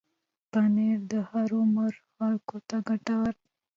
پنېر د هر عمر خلکو ته ګټور دی.